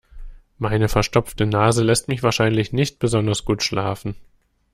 Meine verstopfte Nase lässt mich wahrscheinlich nicht besonders gut schlafen.